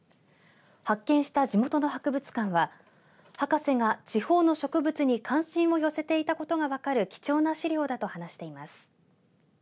発見した地元の博物館は博士が地方の植物に関心を寄せていたことが分かる貴重な資料だと話しています。